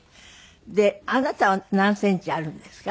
であなたは何センチあるんですか？